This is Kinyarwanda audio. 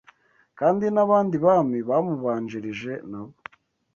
Kandi n’abandi Bami bamubanjirije nabo